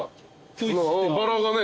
バラがね。